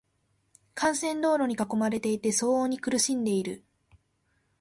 幹線道路に囲まれていて、騒音に苦しんでいる。